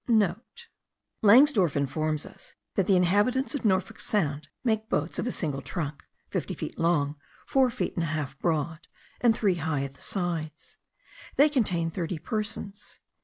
*(* Langsdorf informs us that the inhabitants of Norfolk Sound make boats of a single trunk, fifty feet long, four feet and a half broad, and three high at the sides. They contain thirty persons.